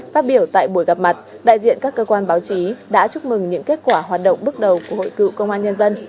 phát biểu tại buổi gặp mặt đại diện các cơ quan báo chí đã chúc mừng những kết quả hoạt động bước đầu của hội cựu công an nhân dân